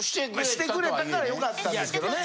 してくれたからよかったんですけどね。